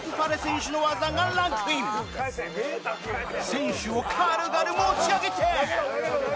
選手を軽々持ち上げて